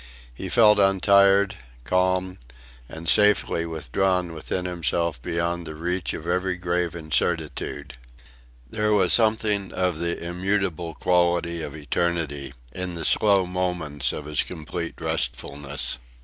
He felt untired, calm, and safely withdrawn within himself beyond the reach of every grave incertitude. There was something of the immutable quality of eternity in the slow moments of his complete restfulness.